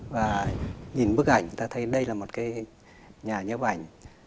và nhìn bức ảnh ta thấy đây là một cái nhà nhớ ảnh